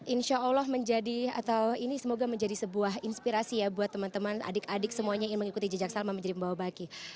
insya allah menjadi atau ini semoga menjadi sebuah inspirasi ya buat teman teman adik adik semuanya yang mengikuti jejak salma menjadi pembawa baki